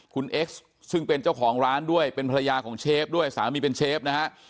คุณเอ็กซ์ซึ่งเป็นเจ้าของร้านด้วยเป็นภรรยาของเชฟด้วยสามีเป็นเชฟนะฮะ